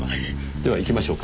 では行きましょうか。